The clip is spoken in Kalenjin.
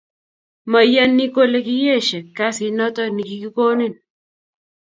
Mayani kole kiieshe kasit noto nikikikonin